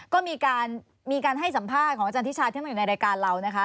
ก็มีการให้สัมภาษณ์ของอาจารย์ทิชาที่มาอยู่ในรายการเรานะคะ